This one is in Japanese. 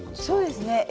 そうですね。